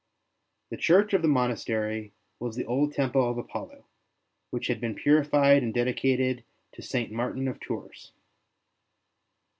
The church of the monastery was the old temple of Apollo, which had been purified and dedicated to St. Martin of Tours.